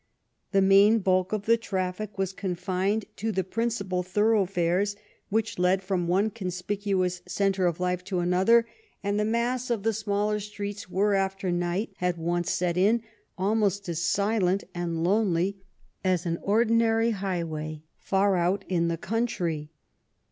The main bulk of the traffic was con fined to the principal thoroughfares which led from one conspicuous centre of life to another, and the mass of the smaller streets were, after night had once set in, almost as silent and lonely as an ordinary high way far out in the country.